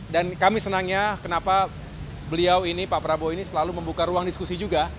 dan kami senangnya kenapa beliau ini pak prabu ini selalu membuka ruang diskusi juga